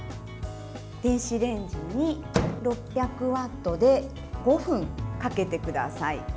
電子レンジに６００ワットで５分かけてください。